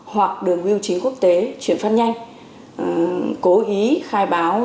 hoặc đường biêu chính quốc tế chuyển phát nhanh cố ý khai báo